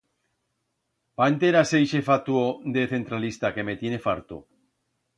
Va a enterar-se ixe fatuo de centralista que me tien farto.